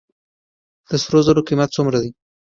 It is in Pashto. د سرو زرو قیمت څومره دی؟